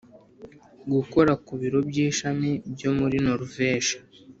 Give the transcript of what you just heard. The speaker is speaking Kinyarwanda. Gukora ku biro by ishami byo muri noruveje